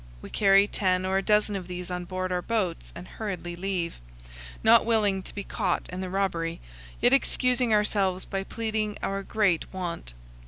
We carry ten or a dozen of these on board our boats and hurriedly leave, not willing to be caught in the robbery, yet excusing ourselves by pleading our great want.